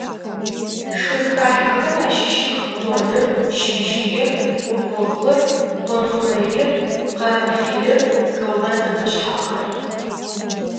Шхынхалъхьэхэм ащыщых къоныр, щыбжьыир, губгъопхъыр, къонтхъурэир, къэрмэфилыр, хэубэн зэфэшъхьафхэри.